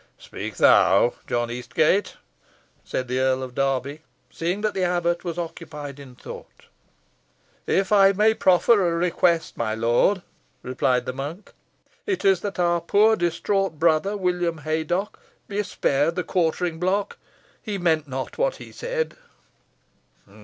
"Speak thou, John Eastgate," said the Earl of Derby, seeing that the abbot was occupied in thought. "If I may proffer a request, my lord," replied the monk, "it is that our poor distraught brother, William Haydocke, be spared the quartering block. He meant not what he said."